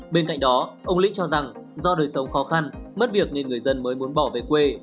bên cạnh đó ông lĩnh cho rằng do đời sống khó khăn mất việc nên người dân mới muốn bỏ về quê